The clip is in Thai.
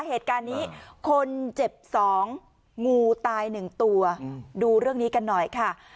เหตุการณ์นี้คนเจ็บ๒งูตายหนึ่งตัวดูเรื่องนี้กันหน่อยค่ะ